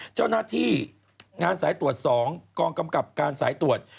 เจ้าหน้าที่งานสายตรวจ๒กองกำกับการสายตรวจ